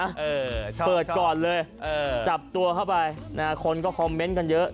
เออเปิดก่อนเลยเออจับตัวเข้าไปนะฮะคนก็คอมเมนต์กันเยอะ